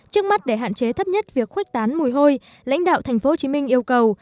trước mắt để hạn chế thấp nhất việc khuếch tán mùi hôi lãnh đạo tp hcm yêu cầu